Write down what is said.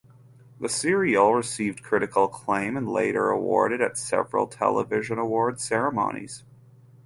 The serial received critical acclaim and later awarded at several television award ceremonies.